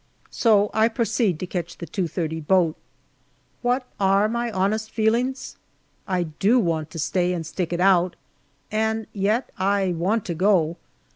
So I proceed to catch the 2.30 boat. What are my honest feelings ? I do want to stay and stick it out, and yet I want to go.